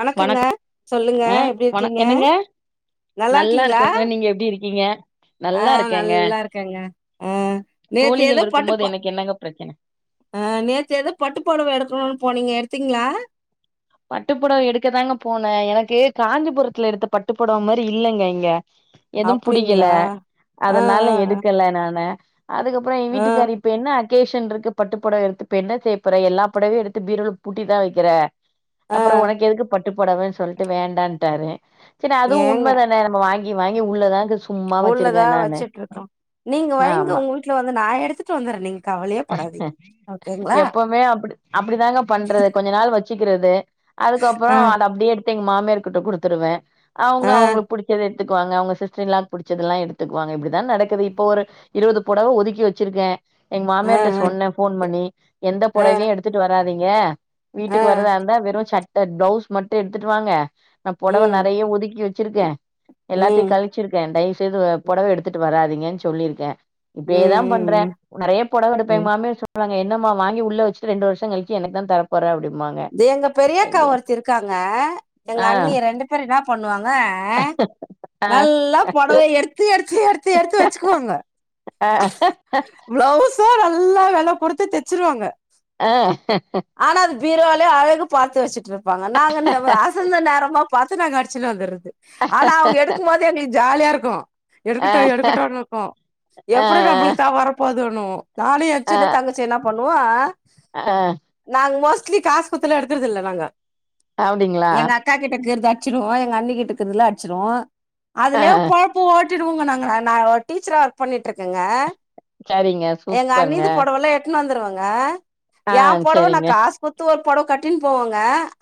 வணக்கங்க வணக்கம் சொல்லுங்க அ எப்டி வண இருக்கீங்க என்னங்க நல்லா இருக்கோங்கா நீங்க எப்டி இருக்கீங்க? அ நல்லா இருக்கேங்க நல்லாருக்கேங்க அ நேத்து தோழிகள் எதோ இருக்கும் போது பட்டுப்பா எனக்கு என்னங்க பிரச்சன அ நேத்து எதோ பட்டுப்பொடவ எடுக்கனுன் போனீங்க எடுத்தீங்ளா? பட்டுப்பொடவ எடுக்க தாங்க போனே எனக்கு காஞ்சிபுரத்துல எடுத்த பட்டுப்பொடவ மாரி இல்லங்க இங்க எதும் புடிக்கல அப்டிங்களா ஆ அதுனால எடுக்கல நானு அதுக்கப்றோ எ ஆ ஆ வீட்டுக்காரு இப் ப என்ன அகேஷன்ருக்கு பட்டுப் பொடவ எடுத்து இப்ப என்ன செய்யப்போற எல்லா பொடவயு எடுத்து பீரோல் பூட்டிதா வக்கிற ஆ அப்பறோ ஒனக்கு எதுக்கு பட்டுப்பொடவ சொல்ட்டு வேண்டான்ட்டாரு செரி அதுவு ஏங்க உண்ம தான நம்ம வாங்கி வாங்கி உள்ளதா அங்க சும்மா வச்சிருக்கே உள்ளதா நானு வச்சுட்டு இருக்கோ நீங்க வைங்க ஆமா உங்க அ வீட்ல வந்து நா எடுத்துட்டு வந்தறே நீங்க கவலையே படாதீங் எப்பொமே அப்டி அப்டிதாங்க பண்றது கொஞ்ச நாள் வ ச்சிக்கிறது அதுக்கப்றோ ஆ அத அப்டியே எடுத்து எங்க மாமியார்கிட்ட குடுத்துருவே அவுங்க ஆ அவுங்ளுக் புடிச்சத எடுத்துக்குவாங்க அவுங்க சிஸ்ட்ரின்லாக் புடிச்சதெல்லா எடுத்துக்குவாங்க இப்டிதா நடக்குது இப்ப ஒரு இருவது பொடவ ஒதுக்கி வெச்சிருக்கே எங் ஆ மாமியார்ட சொன்னே ஃபோன் பண்ணி எந்த ஆ ஆ பொடவயு எடுத்துட்டு வராதிங்க ஆ ட்டுக்கு வரதா இந்தா வெறு சட்ட பிளவுஸ் மட்டு எடுத்துட்டு வாங்க நா பொடவ ம் நெறைய ஒதுக்கி வச்சிருக்கே எல்லாத்தையு ம் கல ச்சிருக்கே தயவுசெய்து ம் பொடவ எடுத்துட்டு வராதீங்கன் சொல்லிருக்கே இப்டியே தா பண்றே ம் ம் நெறைய பொடவ எடுப்பே எ ம் மாமியார் சொ ல்வாங்க என்னம்மா வாங்கி உள்ள வெச்சுட்டு ரெண்டு வருஷொ கழிச்சி எனக்கு தா தர போற அப்டி தே எங்க பெரியக்கா ஒருத்தி இருக்காங்க எங்க ஆ அண்ணி ரெண்டு பேர் இன்னா பண்ணுவாங்க ஆ நல்லா பொடவ எடு த்து எடுத்து எடுத்து எடுத்து வெச்சுக்குவாங்க ஆ பிளவ்ஸு நல்லா வெல குடுத்து தெச்சிருவாங்க அ ஆனா அது பீரோலே அழகு பாத்து வச்சுட்ருப்பாங்க நாங்கன்னவ அ சந்த நேரமா பாத்து நாங்க அடிச்சுட்டு வந்துர்றது ஆனா அவுங்க எடுக்கும் போது எங்ளுக் ஜாலியா இருக்கு எடுக்கட்டு எடுக்கட்டுன்னுக்கு ஆ எப்பிடி நம்மளுக் தா வர போதுன்னுவொ நானு எ சின்ன தங்க ச்சி என்னா பண்ணுவோ அ அ நாங்க மோஸ்லி காசு குத்துலா எடுக்குறதில்ல நாங்க அப்டிங்ளா எங்க அக்கா கிட்ட இக்குறது அச்சுருவோ எங்க அண்ணி கிட்ட இக்கற்தல்லா அட்ச்சுருவோ ஆ அதுலே பொழப் பு‌ ஓட்டிடுவோங்க நாங்க நா ஒ டீச்சரா ஒர்க் பண்ணிட்ருக்கெங்க சரிங்க எங்க சூப்பருங்க அண்ணிது பொடவெல்லா எட்த்துனு வந்துருவெங்க ஆ ஏ பொடவ நா சரிங்க காசு த்து ஒரு பொடவ கட்டினு போவங்க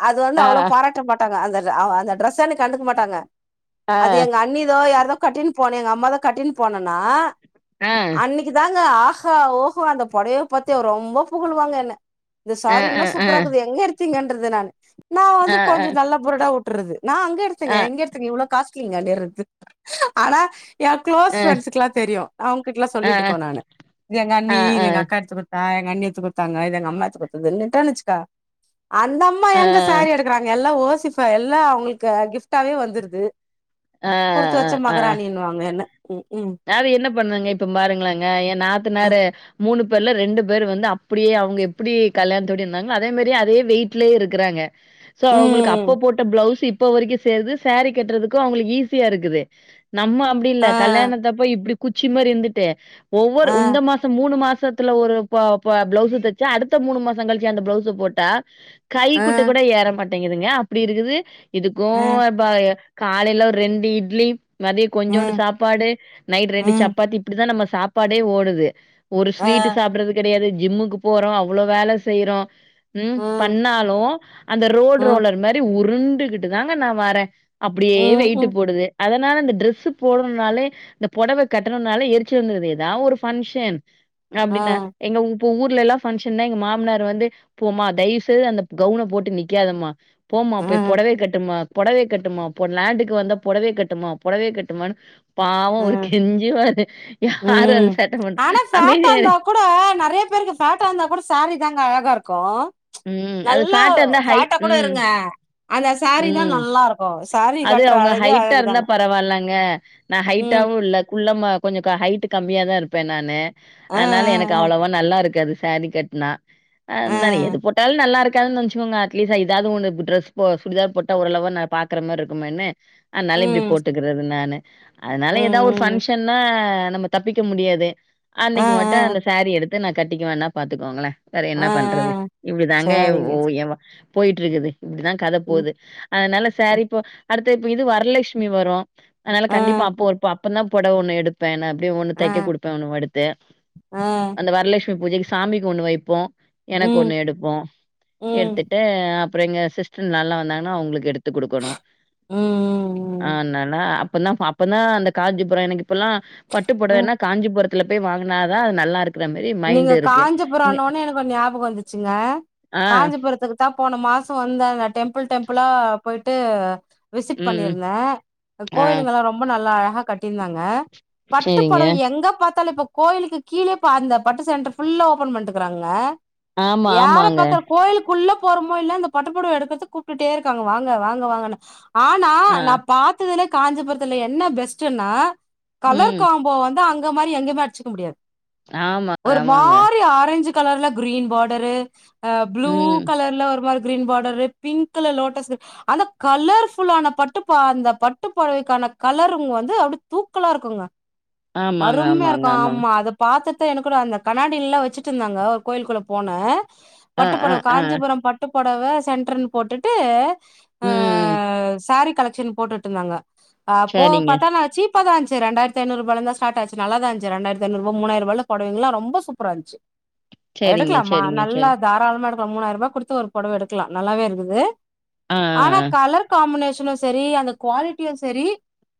அது வந்து ஆ அவ்ளோ பாராட்டமாட் ட்டாங்க அந்த ர அவு அந்த டிரஸ்ஸ அன்னக் கண்டுக்க மாட்டாங்க ஆ அது எங்க அண்ணிதோ யாரோதோ கட்டினு போன எங்க அம்மா இத கட்டின்னு போனேன்னா ஆ ஆ அன்னிக் குதாங்க ஆஹா ஓஹோ அந்த பொடவைய பத்தி ரொம்ப புகழ்வாங்க என்ன இந்த ஆ சாரி ஆ இன்னு சூப் ஆ எங்க எடுத்தீங்கன்றது நானு நா வந்து கொஞ்சோ நல்ல பொருடா விட்டுறது நா அங்க ஆ எடுத்தங்க ஆ இங்க எடுத் தங்க இவ்ளோ காஷ்லிங்க அப்டிறது ஆனா ஏ க்ளோஸ் ஃப்ரெண்ட்ஸுகெல்லா தெரியு அவுங்கிட்டல்லா ஆ ஆ ஆ ஆ சொல்லிட்டுக்கோ நானு இது எங்க ஆ அண்ணி இது எங்க அக்கா எடுத்து குடுத்த தா எங்க அண்ணி எத்து குடுத்தாங்க இது எங்க அம்மா எத்து குடுத்ததுன்னுட்ட வச்சுக்கோ அந்த அம்மா எங்க சாரி எடுக் குறாங்க எல்லா ஓசிப்பா எல்லா அவுங்களுக்கு கிஃப்ட்டாவே வந்துருது ஆ குடுத்து ஆ வச்ச ஆ மகராணின்னுவாங்க என்ன ம் ஹு அது என்ன பண்ணங்க இப்ப பாருங்களேங்க ஏ அ நாத்துனாரு மூணு பேர்ல ரெண்டு பேர் வந்து அப்டியே அவுங்க எப்டி கல்யாணத்தோடி இருந்தாங்களோ அதே மாரி அதே வெயிட்லயே இருக்குறாங்க சோ அவுங்களுக்கு ம் அப்ப போட்ட பிளவுஸ் இப் போ வரைக்கி சேருது சோரி கட்டுறதுக்கு அவுங்களுக்கு ஈஸியா இருக்குது நம்ம அப்டி இல்ல ஆ கல்யாணத் இப்டி குச்சி மாரி இருந்துட்டு ஒவ்வொரு ஆ உந்த மாச மூணு மாசத்துல ஒரு ப பல பிளவுஸு தச்சா அடுத்த மூணு மாச கழிச்சு அந்த பிளவுஸு போட்டா கை ஆ குட்ட கூட ஏற மாட் டேங்கிதுங்க அப்டி இருக்குது இதுக்கு அ வ ப காலையில ஒரு ரெண்டு இட்லி மதிய கொஞ்சோண்டு ம் சாப்பாடு நைட் ரெண்டு ம் சப்பாத்தி இப்டித்தா நம்ம சாப்பாடே ஓடுது ஒரு ஆ ஸ்வீட்டு சாப்புறது கெடையாது ஜிம்முக்கு போறோ அவ்ளோ வேல செய்றோ ம் பண்ணாலு அந்த ரோட் ம் ரோலர் மாரி உருண்டுக்கிட்டு தாங்க நா வர அப்டியே ம் வெயிட்டு ம் போடுது அதனால அந்த ட்ரெஸ்ஸு போடணுன்னாலே இந்த பொடவ கட்டணுன்னாலே எரிச்சல் வந்துக்குது ஏதா ஒரு ஃபங்க்ஷன் ஆ அப்டின்ன எங்க இப்பு ஊர்லல்லா ஃபங்க்ஷன்னா எங்க மாமனாரு வந்து போமா தய்வு செய்து அந்த கவுன போட்டு நிக்காதம்மா போம்மா ஆ போய் பொடவைய கட்டும்மா பொடவைய கட்டும்மா போ லேண்டுக்கு வந்தா பொடவைய கட்டும்மா பொடவைய கட்டும்மானு பாவோ ஆ அவர் கெஞ்சுவாரு யாரு அது ம் சேட்ட பண்றா ஆனா ஃபேட்டா அமைதியா இருந்தா இரு கூட நெறையா பேருக்கு ஃபேட்டா இருந்தா கூட சாரி தாங்க அழகா இருக்கு ம் அது நல்லா ஃபேட்டா இருந்தா ஹை ஃபேட்டா கூட ம் இருங்க அந்த சாரிதா ம் நல்லா இருக் அது அவுங்க லைட்டா இருந்தா பரவாயில்லங்க நா ம் ஹைட்டாவு இல்ல குள்ளமா கொஞ்சோ க ஹைட்டு கம்மியா தா இருப்ப நானு ஆ அதனால எனக்கு ஆ அவ்வளோவா நல்லா இருக்காது சாரி கட்னா அதனால எது ஆ போட்டாலு நல்லா இருக்காதுன்னு வச்சுக்கோங்க அட்லீஸ்ட் இதாது ஒன்னு ட்ரஸ் போ சுடிதார் போட்ட ஓரளவு நா பாக் கற மாரி இருக்குமேன்னு ஆனால இப்டி ம் போட்டுக்கிறது நானு அதனால ஏதோ ஒரு ம் ம் ஃபங்க்ஷன்னா நம்ம தப்பிக்க முடியாது ஆ அன்னைக்கு மட்டு ஆ அந்த சாரி எடுத்து நா கட்டிக்குவேன்னா பாத்துக்கோங்களே வேற என்ன ஆ பண்றது ஆ இப்டி தாங்க சரிங்க ஓ ஏ வா போயிட்டு இருக்குது இப்டிதா கத ம் போது அதனால சாரி இப்ப அடுத்த இப்ப இது வரலட்க்ஷ்மி வரு அதனால ஆ கண்டிப்பா அப்போ ஒருப்ப அப்பந்தா பொடவ ஒன்னு எடுப்பே நா அப்டியே ஒன்னு ஆ தக்க குடுப்பே ஒன்னு எடுத்து ஆ அந்த வரலக்ஷ்மி பூஜைக்கு சாமிக்கு ஒண்ணு வைப்போ எனக்கு ஒண்ணு ம் எடுப் போ ம் எடுத்துட்டு அப்புறோ எங்க சிஸ்டர்னால்லா வந்தாங்கன்னா அவுங்களுக்கு எடு த்துக் குடுக்கணு ம் ம் ஆனால அப்பந்தா அப்பந்தா அந்த காஞ்சிபுர எனக்கு இப்பல்லா ம் பட்டுப்பொடவேன்னா காஞ்சிபுரத்துல போய் வாங்குனாதா அது நல்லாருக் நீங்க காஞ்சிபுரனோன்னே எனக்கு ஒரு ஞாபக வந்துச்சுங்க ஆ, காஞ்சிபுரத்துக்கு தா போன மாசோ வந்தங்க டெம்பிள் டெம்பிளா போயிட்டு விசிட் ம், பண்ணியிருந்தே ஆ, கோயிலுங்கெல்லா ரொம்ப நல்லா அழகா கட்டியிருந்தாங்க சரிங்க. பட்டுப்பொடவை எங்க பாத்தாலு இப்ப கோயிலுக்கு கீழே பா அந்த பட்டு சென்டர் ஃபுல்ல ஓபன் பண்ட்டுக்குறாங்க ஆமா, யார ஆமாங்க. பாத்தாலு கோயிலுக்குள்ள போறமோ இல்ல அ பட்டுபொடவ எடுக்கற்துக்கு கூப்டுட்டே இருக்காங்க வாங்க வாங்க வாங்க ஆனா ஆ, நா பாத் ததுலே காஞ்சிபுரத்துல என்ன பெஸ்டுனா கலர் ம், காம்போ வந்து அங்க மாரி எங்கேயுமே அடுச்சுக்க முடியாது ஆமாங்க, ஒரு ஆமாங்க. மாரி ஆரஞ்சு கலர்ல க்ரீன் பார்டரு ப்ளூ ம், கலர்ல ஒரு மாரி green border pink colour lotus அந்த கலர்ஃபுல்லான பட்டுப்பா அந்த பட்டுப்பொடவைக்கான கலருங்கோ வந்து அப்டி தூக்கலா இருக்குங்க ஆமாங்க, அருமையா ஆமாங்க, இருக்கு ஆமாங்க. ஆமா அத பாத்துட்ட எனக்கு கூட அந்த கண்ணாடி எல்லா வச்சுட்ருந்தாங்க ஒரு கோயிலுக்குள்ள போன ஆ, பட்டு ஆ, புடவ ஆ, காஞ்சிபுரம் பட்டு பொடவ சென்டர்ன்னு போட்டுட்டு ஆ ம். சாரி கலெக்ஷன் போட்டுட்டு இருந்தாங்க அப்போ சரிங்க, பத்தானாச்சி தாநான்ச்சு ரெண்டாயரத்து ஐநூறு ருபாலா இருந்தா ஸ்ட்ராட் ஆச்சு நல்லாதா இருந்ச்சு ரெண்டாயிரத்தி ஐநூறுபா மூாணாயிரூபால புடவைங்களோ ரொம்ப சூப்பரா இருந்துச்சு சரிங்க, எடுக்கலாமா சரிங்க, நல்லா சரி. தாராளமா எடு மூணாயிரூபா கொடுத்து ஒரு பொடவ எடுக்கலா நல்லாவே இருக்குது ஆ, ஆ, ஆனா ஆ. கலர் காம்பினேஷனு செரி அந்த குவாலிட்டியு செரி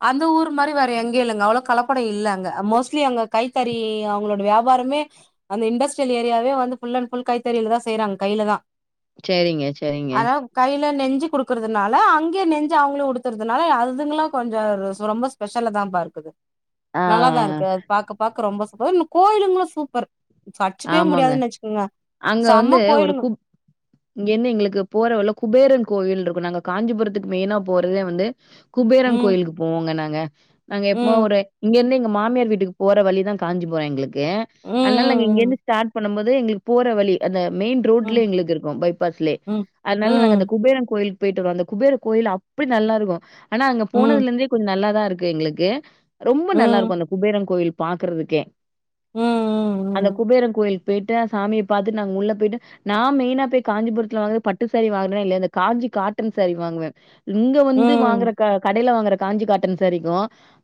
அந்த ஊர் மாரி வேற எங்கேயு இல்லங்க அவ்ளோ கலப்படம் இல்லங்க மோஸ்ட்லி அங்க கைத்தறி அவுங்களோ வியாபாரமே அந்த இண்டஸ்ட்ரியல் ஏரியாவே வந்து ஃபுல் அண்ட் ஃபுல் கைத்தறியில தா செய்யறாங்க கையில தா செரிங்க செரிங்க அதா கையில நெஞ்சு குடுக்குறதுனால அங்கே நெஞ்சு அவுங்களு உடுத்துறதுனால அதுங்காளோ கொஞ்ச சு ரொம்ப ஸ்பெஷலா தாபா இருக்குது ஆ, நல்லா தா இருக்கு அது பாக்க பாக்க ரொம்ப சூப்பர் கோயிலுங்களு சூப்பர் அட்சுக்கவே ஆமாங்க. முடியாதுன்னு வச்சுக்கோங்க அங்க வந்து செம்ம ஒரு கூ கோயிலுங்கோ இங்கேருந்து எங்களுக்கு போற வழியில குபேரன் கோயில் இருக்கு நாங்க காஞ்சிபுரத்துக்கு மெயினா போறதே வந்து குபேரன் ம் கோயிலுக்கு போவோங்க நாங்க நாங்க எப்பவுமே ம் ஒரு இங்கருந்து எங்க மாமியார் வீட்டுக்கு போற வழி தா காஞ்சிபுரோ எங்களுக்கு ம் அதுனால நாங்க ம் இங்கிருந்து ஸ்டார்ட் பண்ணும்போது எங்களுக்கு போற வழி அந்த மெயின் ரோட்லே ம் எங்களுக்கு இருக்கு பைபாஸ்லே ம் அதனால நாங்க அந்த ம் குபேரன் கோயிலு போயிட்டு வருவோ அந்த குபேர கோயில் அப்டி நல்லா இருக்கு ஆனா அங்க ம் ம் போனதுல இருந்தே கொஞ்ச நல்லாதா இருக்கு எங்களுக்கு ரொம்ப நல்லா ம் இருக்கு அந்த குபேரன் கோயில் பாக்குறதுக்கே ம் ம் அந்த குபேரன் கோயிலுக்கு போயிட்டு சாமிய பாத்துட்டு நாங்க உள்ள போயிட்டு நா மெயினா போயி காஞ்சிபுரத்துல வந்து பட்டு சாரி வாங்கறது பட்டு சாரி வாங்கறேனா இல்லையோ இந்த காஞ்சி காட்டன் சாரி வாங்குவே இங்க ம், வந்து வாங்குற ம், க கடையில வாங்குற காஞ்சி காட்டன் சாரிக்கு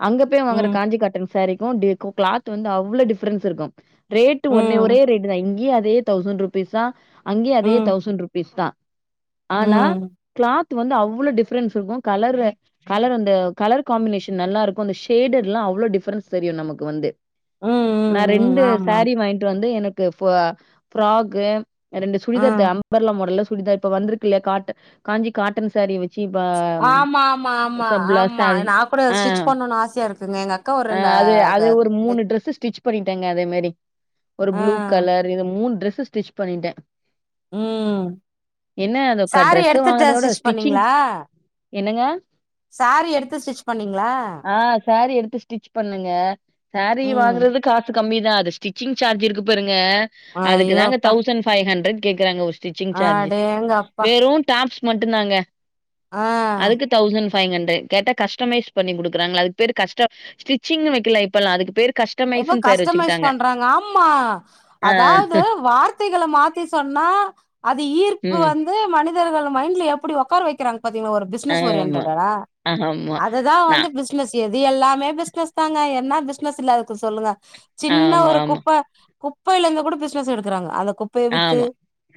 அங்க போயி வாங்குற ம், காஞ்சி காட்டன் சாரிக்கு டிஃப் க்ளாத் வந்து அவ்ளோ டிஃப்ரன்ஸ் இருக்கு ரேட்டு் ஒன்னே ஒரே ம், ரேட் தா இங்கேயு அதே தௌசண்ட் ருபீஸ் தா அங்கேயு அதே ம், தௌசண்ட் ருபீஸ் தா ஆனா ம், க்ளாத் வந்து அவ்ளோ டிஃப்ரென்ஸ் இருக்கு கலரு கலர் அந்த கலர் காம்பினேஷன் நல்லா இருக்கு அந்த ஷேடர் எல்லா அவ்ளோ டிஃப்ரன்ஸ் தெரியு நமக்கு வந்து ம், நா ம், ரெண்டு ஆமாம். சாரி வாங்கிட்டு வந்து எனக்கு ஃப ஃப்ராக்கு ரெண்டு சுடிதார் ம். அம்பர்லா மாடல்ல சுடிதார் இப்ப வந்திருக்கு இல்லையா காட்ட காஞ்சி காட்டன் சாரி வெச் ஆமா ஆமா ஆமா ஆமா சாரீ நா கூட ஆ ஸ்டிச் பண்ணுன்னு ஆசையா இருக்குங்க எங்க அக் ஆ அது அது ஒரு மூணு ட்ரெஸ்ஸு ஸ்டிச் பண்ணிட்டேங்க அதே மாரி ஒரு ஆ, ப்ளூ கலர் இது மூணு ட்ரெஸ்ஸு ஸ்டிச் பண்ணிட்டே ம் என்ன அதுக்கா சாரி ட்ரெஸ்ஸு எடுத்துட்டு வாங்கறதவ விட ஸ்டிச் ஸ்டிச்சிங் பண்ணீங்களா? என்னங்க சாரி எடுத்து ஸ்டிச் பண்ணீங்களா? ஆ சேரி எடுத்து ஸ்டிச் பண்ணங்க சேரீ ம். வாங்றது காசு கம்மி தா அது ஸ்டிச்சிங் சார்ஜ் இருக்கு பாருங்க அதுக்கு ஐயோ! தாங்க அப்பா. தௌசண் ஃபை ஹண்ட்ரட் கேக்குறாங்க ஒரு ஸ்டிச்சிங் சார்ஜூ அடேங்கப்பா! வெறு டாப்ஸ் மட்டுதாங்க ஆ தௌசண் ஃபைவ் ஹண்ட்ரட் கேட்டா கஸ்டமைஸ் பண்ணிக் குடுக்றாங்ள அதுக்கு பேரு கஸ்ட ஸ்டிச்சிங் வைக்கலஇப்ப ல்லா அதுக்கு பேரு க இப்ப கஸ்டமைஸ் பண்றாங்க ஆ ம்மா ஆ அதாவது வார்த்தைகள மாத்தி சொன்னா அது ஈர்ப்பு வ ம் ந்து மனிதர்கள் மைண்ட்ல எப்டி ஒக்கார வைக்கிறாங்க பாத்தீங்ளா ஒரு பிஸ்னஸ் ஆமா ஓரியன்ட்டடா ஆமா அததா நா வந்து பிஸ் பிஸ்னஸ் எது எல்லாமே பிஸ்னஸ் தாங்க என்னா பிஸ்னஸ் இல்லாததுக்கு சொல்லுங்க சின்ன ஆமா ஒரு ஆமா குப்ப குப்பைல இந்து கூட பிஸ்னஸ் எடுக்குறாங்க அந்த குப் பய வித்து ஆமா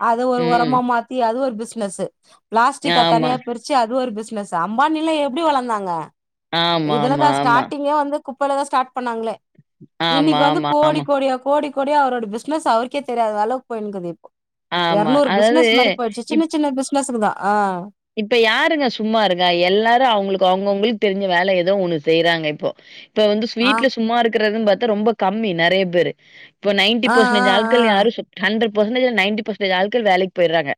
அது ஒரு ம் ஒரமா மாத்தி அது ஒரு பிஸ்னஸ்சு பிளாஸ்டிக்க ஆமா தனியா பிரு ச்சு அது ஒரு பிஸ்னஸ்சு அம்பானிலா எப்டி வளந்தாங்க ஆமா ஆமா இதுலதா ஆமா ஸ்டாட்டிங்கே வந்து குப்பல தா ஸ்டார்ட் பண்ணாங்ளே ஆமா இன்னைக்கு ஆமா வந்து கோடி ஆமா கோடியா கோடி கோடியா அவரோட பிஸ்னஸ் அவருக்கே தெரியாத அளவுக்கு போயினுக்குது ஆமா எரநூறு பிஸ்னஸ் மாரி போய்டுச்சு அதாவது சின்ன சின்ன பிஸ்னஸ்க்கு தா ஆ இப்ப யாருங்க சும்மா இருக்கா எல்லாரு அவுங்ளுக்கு அவங்கவுங்களுக்கு தெரிஞ்ச வேல ஏதோ ஒண்ணு செய்யறாங்க இப்போ இப்ப வந்து ஆ ஸ்வீட்ல சும்மா இருக்கறதுன் பாத்தா ரொம்ப கம்மி நெறய பேரு இப்ப நைன்ட்டி ஆ ஆ பசன்டேஜ் ஆள்கள் யாரு ஆ சு ஹண்ட்ரட் பசன்டேஜ்ல நைன்ட்டி பசன்டேஜ் ஆள்கள் வேலைக்கு போயர்றாங்க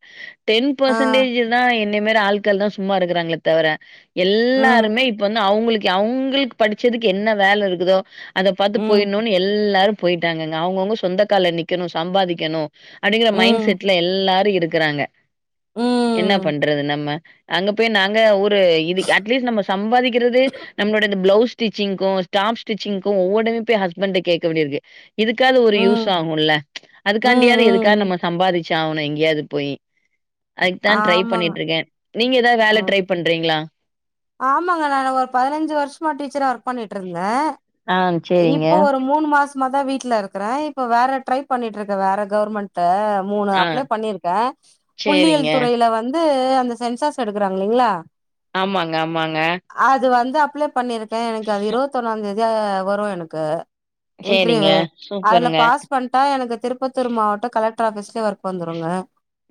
டென் ஆ பசன்டேஜ்ஜூ தா எ என்ன மேர ஆள்கள்கள் தா சும்மா இருக்கிறாங்ளே தவர ம் எல்லாருமே இப்ப வந்து அவுங்களு அவுங்களுக்கு படிச்சதுக்கு என்ன வேல இருக்குதோ அத பாத்து போயர் ம் னு எல்லாரு போயிட்டாங்கங்க அவங்கவுங்க சொந்தக்கால்ல நிக்கணு சம்பாதிக்கணு அடிங்கற மைண் ம் செட்ல எல்லாரு இருக்கறாங்க என்ன ம் பண்றது நம்ம அங்க போய் நாங்க ஒரு இது அட்லீஸ்ட் நம்ம சம்பாதிக்கிறது நம்மளோட இந்த பிளவ்ஸ் ஸ்டிச்சிங்க்கு டாப்ஸ் ஸ்டிச்சிங்க்கு ஒவ்வொ டைம் போய் ஹஸ்பண் கிட்ட கேக்க வேண்டிருக்கு இதுக்காது ஒரு யூஸ் ம் ஆகுல்ல ம் அதுக்காண்டியாது எதுக்காக ம் நம்ம சம்பாதிச்சு ஆவனு எங்கயாவது போயி அதுக்கு தா ட்ரை ஆமாங்க பண்ணிட்ருக்கே நீங்க ஏதாவது வேல ம் ட்ரை பண்றீங்ளா ஆமாங்க நானு ஒரு பதினஞ்சு வருஷமா டீச்சரா ஒர்க் பண்ணிட்ருந்தே ஆ, சேரிங்க. இப்போ ஒரு மூணு மாசமா தா வீட்ல இருக்கறே இப்ப வேற ட்ரை பண்ணிட்ருக்க வேற கவர்மெண் ல மூனு ஆ, அப்ளே பண்ணிருக்கே சேரிங்க. புள்ளியல் துறைல வந் து அந்த சென்சாஸ் எடுக்கறாங் இல்லைங்ளா ஆமாங்க ஆமாங்க அது வந்து அப்ளை பண்ணிருக்கே எனக்கு அது இருவத் ஒண்ணா தேதி வரு எனக்கு சேரிங்க. இன்ட்ருவியூ அதுல சூப்பருங்க. பாஸ் பண்ட்டா எனக்கு திருப்பத்தூர் மாவட்ட கலெக்டர் ஆஃபீஸ்லயே ஒர்க் வந்துருங்க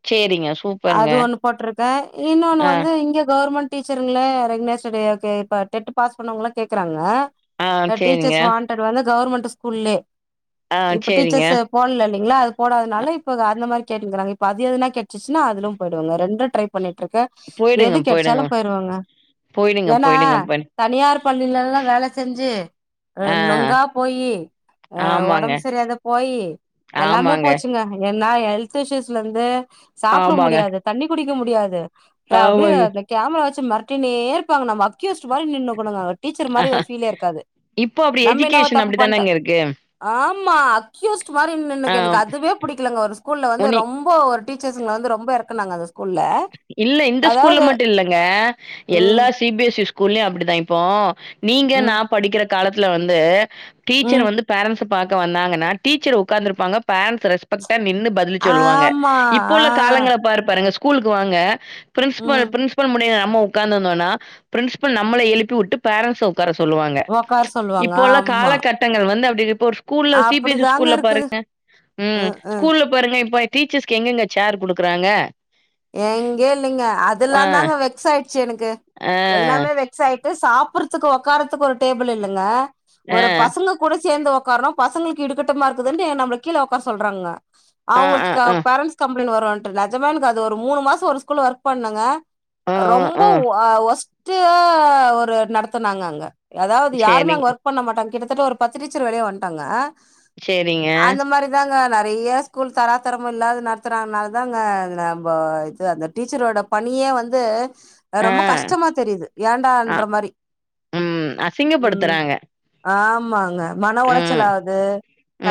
சேரிங்க, சூப்பருங்க. அது ஒண்ணு போட்ருக்கே இன்னொன்னு ஆ, வந்து இங்க கவர்மெண் ச்சர்களே ரெகுனேச [unintelligible] இப்ப டெட்டு பாஸ் பண்ணவங்கள கேக்குறாங்க ஆ, அ சேரிங்க. டீச்சர்ஸ் வாண் டேடு வந்து கவர்மெண்ட்டு ஸ்கூல்லே ஆ, இப்ப சேரிங்க. டீச்சர்ஸ்ஸு போல்ல இல்லங்ளா அது அ போடாதனால இப்ப அந்த மாரி கேட்டுக்கிறாங்க இப்ப அது எதுனா கெட்ச்சுன்னா அதுலும் போயிடுவங்க ரெண்டு ட்ரை பண்ணிட்ருக்க போய்டுங்க போய்டுங்க போயிருவோங்க ஏனா தனியார் பள்ளிலல்லா வேல செஞ்சு அ ஆ நொங்கா போயி ஆ ஆமாங்க, ஒடம்பு சரிஇல்லாத போய் எல்லாமே ஆமாங்க, போச்சுங்க ஏன்னா எல்த் இஷ்யூஸ்ல இருந்து சாப்ட ஆமாங்க, முடியாது தண்ணி குடிக்க முடியாது அப்ரோ அப்டியே ஆமாங்க. அந்த கேமரா வெச்சு மெறட்டின்னே இருபாங்க நம்ம அக்யூஸ்ட் மாரி நின்னுக்கனுங்க ஒரு டிச்சர் மாரி ஒரு பீலே இருகாது இப்போ அப்டி எஜுகேஷன் அப்டி தானங்க இருக்கு ஆமா அக்யூஸ்ட் மாரி ஆ நின்னுக்கனு எனக்கு அதுவே பிடிகலங்க ஒரு ஸ்கூல்ல வந்து உன்னி ரொம் ப்போ ஒரு டீச்சர்ஸ்ங்கள வந்து ரொம்ப எரக்குனாங்க அது இல்ல இந்த ஸ்கூல்ல மட்டு இல்லங்க ம் எல்லா சி பி எஸ் சி ஸ்கூல்லயு அப்டிதா இப்போ நீங்க நா ம் படிகற காலதுல வந்து டிச்சர் ம் வந்து பேரன்ஸ்ஸ பாக்க வந்தாங்கனா டீச்சர் உக்காந்துருபாங்க பேரன்ட்ஸ் ரெஸ்பெக்ட நின்று பதி ன்னு சொல்லுவாங்க ஆமா இப்போ ஆ உள்ள காலங்கள பார் பாருங்க ஸ்கூலுக்கு வாங்க பிரின்சிபல் ம் பிரின்சி போன் பண்ணி நம்ம உக்காந்துருந்தோனா பிரின்சிபல் நம்மள எழுப்பி உட்டு பேரன்ஸ்ஸ உட் கார சொல்லுவாங்க ஒக்கார சொல்லுவாங்க இப்போ உள்ள ஆமா காலகட்டங்கள் வந்து அப்டி இப்போ ஒரு ஸ் ஸ்கூல்ல சி பி எஸ் சி அப்டிதாங்க ஸ்கூல்ல இருக்குது பாருங்க ம் ஸ்கூல்ல பாருங்க இப்ப டீச்சர்ஸ்கு எங்கெங்க சேர் குடுக்கறாங்க எங்கயு இல்லைங்க ஆ அதுல்லாந்தாங்க வெக்ஸ் ஆயிச்சி எனக்கு ஆ எல்லாமே வெ சொல்ட்டு சாப்பட்றதுக்கு ஒக்காரதுக்கு ஒரு டேபிள் இல்லங்க ஆ ஒரு பசங்க கூட சேந்து உக்கார்ரோ பசங்களுக்கு இடுக்கட்டுமா இருக்குதுன்டு எ நம்ள கீழ உக்கார சொல்றாங்க ஆ ஆ அவுங்களுக்கு ஆ பேரண்ஸ் கம்ளைண்ட் வருன்ட்டு நெஜம எனக்கு அது ஒரு மூணு மாசோ ஒரு ஸ்கூல்ல ஒர்க் பண்ணங்க ஆ ரொம்ப ஆ ஆ ஒ அ ஒஸ்டு ஆ ஒரு நடத்துனாங்க அங்க எதாவுது யாருமே சேரிங்க அங்க ஒர்க் பண்ண மாட்டாங்க கிட்டதட்ட ஒரு பத்து டிச்சர் வெளிய வன்ட்டாங்க சேரிங்க அந்த மாரிதாங்க நெறைய ஸ்கூல் தராதரம் இல்லாத நடத்தறானால தாங்க அது நா இப்ப ஆயிர்ச்சு அந்த டிச்சரோட பணியே வந்து ஆ ரொம்ப கஷ்டமா தெரிது ஆ ஏண்டான்ற மாரி ம் அசிங்கப்படுத்துறாங்க ஆமாங்க மன உளச்சல் ம் ஆது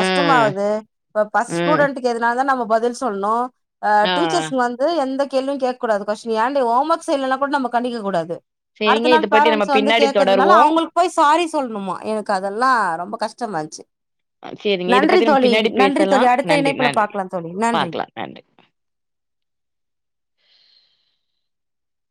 ம் இப்ப பஸ் ம் ஸ்டுடெண்ட்டு ங்கரதுனாலதா நம்ம பதில் சொல்னு அ ஆ டிச்சர்ஸ் து எந்த கேள்வியு கேக் கூடாது கொஸ்டின் ஏன் டி ஹோம் ஒர்க் செய்லனா கூட நம்ம கண்டிக்க கூடாது சேரிங்க அடுத்த நாள் இத பத்தி நம்ம போரன்ஸ் வந்து பின்னாடி கேக்றதுனால தொடருவோ அவுங்களுக் போய் சாரி சொல்னுமா எனக்கு அதெல்லா ரொம்ப கஷ்டமாருந்ச்சு சேரிங்க இத நன்றி பத்தி நம்ம தோழி பின்னாடி நன்றி பேசலா தோழி அடுத்த நன்றி இணைபுல நன்றி பாக்லா தோழி நன்றி பாக்கலா நன்றி